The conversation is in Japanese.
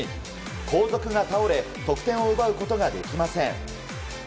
後続が倒れ得点を奪うことができません。